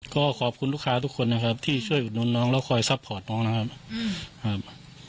ก็ขอบคุณลูกค้าทุกคนนะครับที่ช่วยอุดนุนน้องแล้วคอยซัพพอร์ตน้องนะครับ